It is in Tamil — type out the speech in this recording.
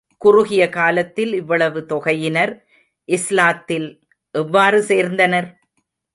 குறுகிய காலத்தில் இவ்வளவு தொகையினர் இஸ்லாத்தில் எவ்வாறு சேர்ந்தனர்?